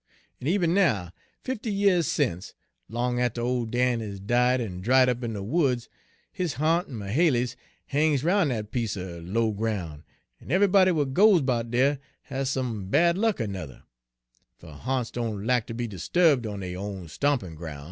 En eben now, fifty yeahs sence, long atter ole Dan has died en dried up in de woods, his ha'nt en Mahaly's hangs 'roun' dat piece er low groun', en eve'body w'at goes 'bout dere has some bad luck er'nuther; fer ha'nts doan lack ter be 'sturb' on dey own stompin' groun'."